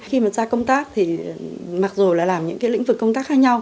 khi mà ra công tác thì mặc dù là làm những cái lĩnh vực công tác khác nhau